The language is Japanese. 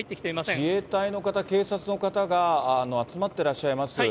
自衛隊の方、警察の方が集まってらっしゃいます。